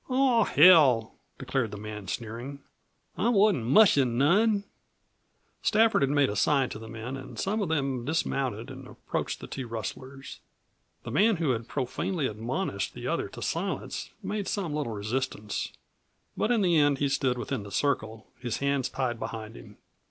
"Aw, hell!" declared the man, sneering. "I wasn't mushin' none!" Stafford had made a sign to the men and some of them dismounted and approached the two rustlers. The man who had profanely admonished the other to silence made some little resistance, but in the end he stood within the circle, his hands tied behind him.